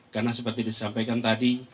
karena seperti disampaikan tadi